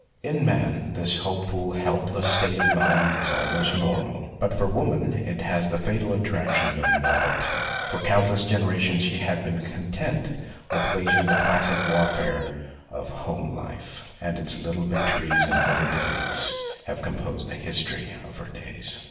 In man this hopeful, help less state of mind is almost normal, but for woman it has the fatal attraction of novelty. For countless generations she has been con tent with waging the placid warfare of home life, and its little victories and little defeats have composed the history of her days.